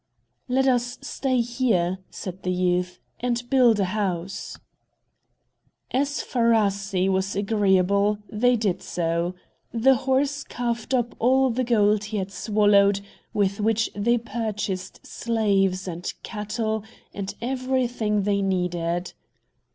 "Let us stay here," said the youth, "and build a house." As Faaraasee was agreeable, they did so. The horse coughed up all the gold he had swallowed, with which they purchased slaves, and cattle, and everything they needed.